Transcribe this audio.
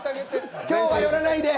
今日は寄らないで！